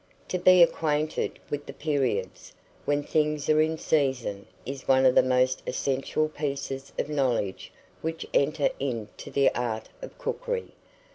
TO BE ACQUAINTED WITH THE PERIODS when things are in season, is one of the most essential pieces of knowledge which enter into the "Art of Cookery."